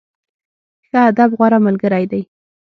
ښه ادب، غوره ملګری دی.